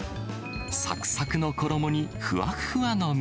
さくさくの衣にふわふわの身。